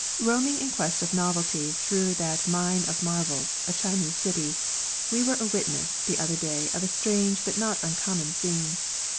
EoAMiNG in quest of novelty through that mine of marvels, a Chinese city, we were a witness the other day of a strange but not uncommon scene.